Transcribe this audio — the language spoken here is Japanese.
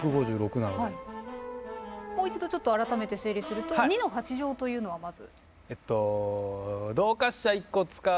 もう一度ちょっと改めて整理すると２の８乗というのはまず。